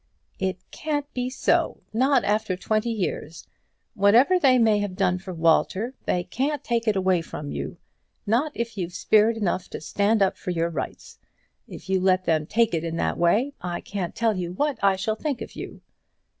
"It can't be so, not after twenty years. Whatever they may have done from Walter, they can't take it away from you; not if you've spirit enough to stand up for your rights. If you let them take it in that way, I can't tell you what I shall think of you."